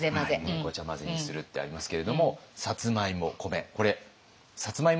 ごちゃまぜにするってありますけれどもそうですね。